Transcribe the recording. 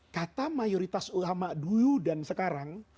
kata mayoritas ulama dulu dan sekarang